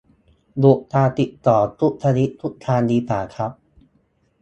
หยุดการติดต่อทุกชนิดทุกทางดีกว่าครับ